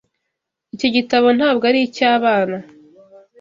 Icyo gitabo ntabwo ari icy'abana.